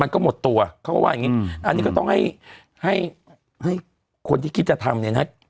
ก็หมดตัวเขาก็ว่าอย่างนี้อันนี้ก็ต้องให้ให้คนที่คิดจะทำเนี่ยนะ